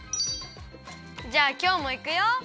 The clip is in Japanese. じゃあきょうもいくよ！